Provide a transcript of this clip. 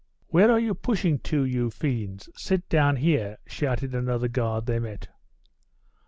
"Where are you pushing to, you fiends? Sit down here," shouted another guard they met.